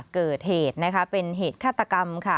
เกิดเหตุเป็นเหตุฆาตกรรม